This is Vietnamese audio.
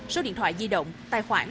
số điện thoại di động tài khoản